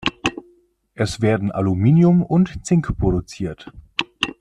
Es werden Aluminium und Zink produziert.